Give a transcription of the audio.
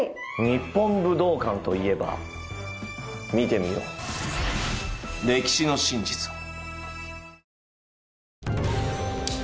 日本武道館といえば見てみよう歴史の真実を。